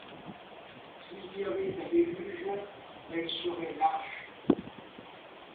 S'il y avait un déluge, elle serait l'arche.